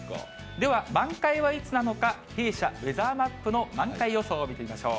では満開はいつなのか、弊社、ウェザーマップの満開予想を見てみましょう。